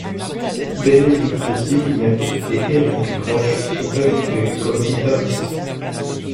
Benedict Zimniak et Erik Grösch sont ajoutés comme guitaristes.